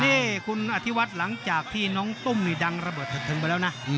นี่คุณอธิวัฒน์หลังจากที่น้องตุ้มนี่ดังระเบิดเถิดทึงไปแล้วนะ